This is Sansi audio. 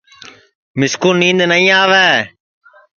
میسکُو نِینٚدؔ نائی آوے